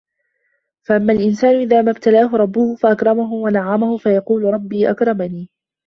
فَأَمَّا الإِنسانُ إِذا مَا ابتَلاهُ رَبُّهُ فَأَكرَمَهُ وَنَعَّمَهُ فَيَقولُ رَبّي أَكرَمَنِ